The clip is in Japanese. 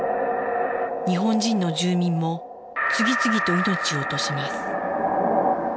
日本人の住民も次々と命を落とします。